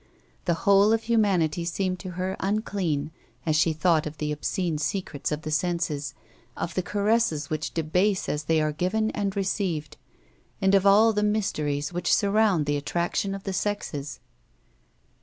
The whole of humanity seemed to her unclean as she thought of the obscene secrets of the senses, of the caresses which debase as they are given and received, and of all the mysteries which surround the attraction of the sexes.